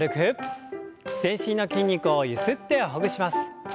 全身の筋肉をゆすってほぐします。